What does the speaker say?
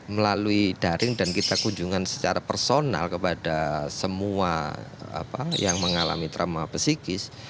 melalui daring dan kita kunjungan secara personal kepada semua yang mengalami trauma psikis